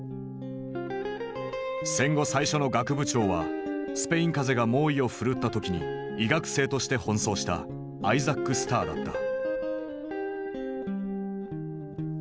戦後最初の学部長はスペイン風邪が猛威を振るった時に医学生として奔走したアイザック・スターだった。